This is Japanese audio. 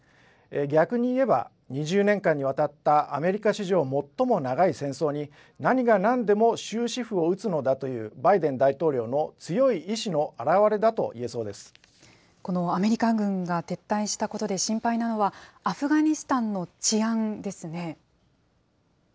逆に言えば、２０年間にわたったアメリカ史上最も長い戦争に、何がなんでも終止符を打つのだというバイデン大統領の強い意志のこのアメリカ軍が撤退したことで心配なのは、アフガニスタンの治安ですね。